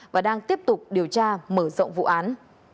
và đang tiếp tục điều tra mở rộng vụ án